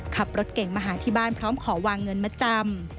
ขับรถเก่งมาหาที่บ้านพร้อมขอวางเงินมาจำ